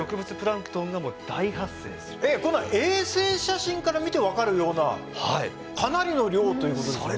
えっこんな衛星写真から見て分かるようなかなりの量ということですよね？